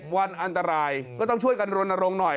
วันอันตรายก็ต้องช่วยกันรณรงค์หน่อย